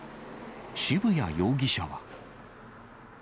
渋谷容疑者は。